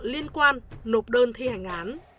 liên quan nộp đơn thi hành án